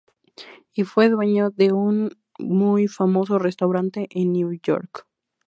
Y fue dueño de un muy famoso restaurante en Nueva York.